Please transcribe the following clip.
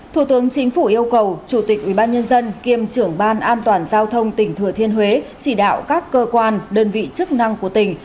thủ tướng chính phủ yêu cầu chủ tịch ubnd kiêm trưởng ban an toàn giao thông tỉnh thừa thiên huế chỉ đạo các cơ quan đơn vị chức năng của tỉnh